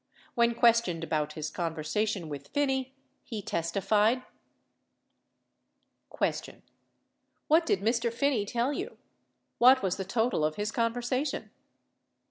When questioned about his conversation Avith Phinney, he testi fied : Q. What did Mr. Phinney tell you ? What Avas the total of his conversation